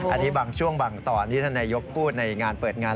อันนี้บางช่วงบางตอนที่ท่านนายกพูดในงานเปิดงาน